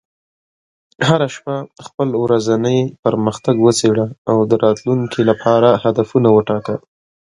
هره شپه خپل ورځنی پرمختګ وڅېړه، او د راتلونکي لپاره هدفونه وټاکه.